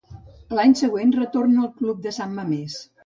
L'any següent retorna al club de San Mamés.